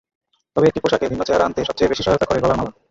তবে একটি পোশাকে ভিন্ন চেহারা আনতে সবচেয়ে বেশি সহায়তা করে গলার মালা।